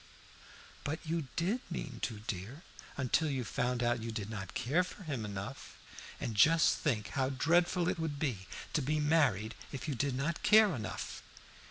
"But you did mean to, dear, until you found out you did not care for him enough. And just think how dreadful it would be to be married if you did not care enough!"